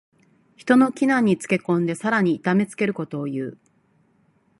人の危難につけ込んでさらに痛めつけることをいう。